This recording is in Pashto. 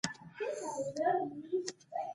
که جوړښتونه په سمه بڼه اصلاح نه شي.